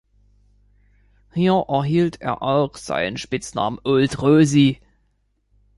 Hier erhielt er auch seinen Spitznamen "Old Rosy".